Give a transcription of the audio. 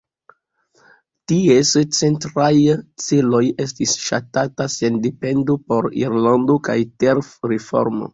Ties centraj celoj estis ŝtata sendependo por Irlando kaj ter-reformo.